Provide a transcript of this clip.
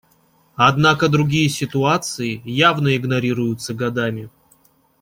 Однако другие ситуации явно игнорируются годами.